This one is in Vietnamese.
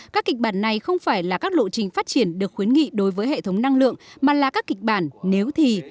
các kịch bản này không phải là các lộ trình phát triển được khuyến nghị đối với hệ thống năng lượng mà là các kịch bản nếu thì